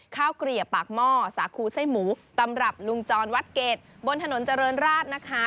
เกลี่ยปากหม้อสาคูไส้หมูตำรับลุงจรวัดเกรดบนถนนเจริญราชนะคะ